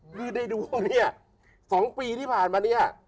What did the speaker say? คือในดวงเนี่ย๒ปีที่ผ่านมาเนี่ย